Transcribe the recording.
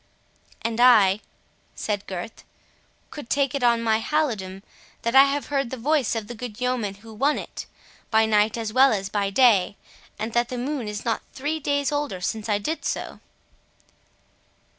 "And I," said Gurth, "could take it on my halidome, that I have heard the voice of the good yeoman who won it, by night as well as by day, and that the moon is not three days older since I did so."